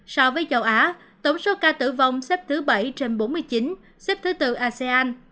so với châu á tổng số ca tử vong xếp thứ bảy trên bốn mươi chín xếp thứ tư asean